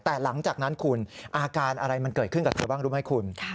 แต่หลังจากนั้นคุณอาการอะไรมันเกิดขึ้นกับเธอบ้างรู้ไหมคุณ